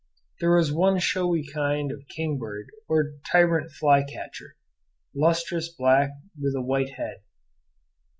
There was one showy kind of king bird or tyrant flycatcher, lustrous black with a white head.